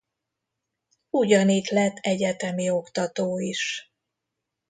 Ugyanitt lett egyetemi oktató is.